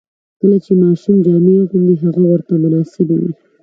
کله چې ماشوم جامې اغوندي، هغه ورته مناسبې وي.